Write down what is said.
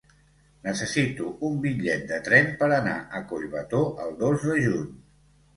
Necessito un bitllet de tren per anar a Collbató el dos de juny.